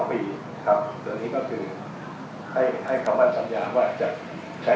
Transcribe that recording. ตรงนี้ก็คือให้คำวัญสัญญาว่าจะใช้ความพยายามกำลังสะพีปัญญากำลังสะพยากรทุกอย่าง